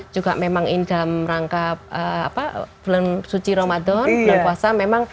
juga memang ini dalam rangka bulan suci ramadan bulan puasa memang